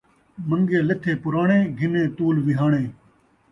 من٘گے لتھے پراݨے ، گھنے تول وِہاݨے